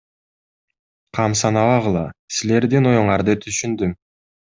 Кам санабагыла, силердин оюңарды түшүндүм.